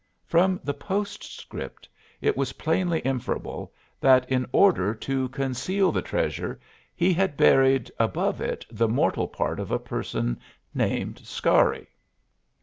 From the postscript it was plainly inferable that in order to conceal the treasure he had buried above it the mortal part of a person named Scarry.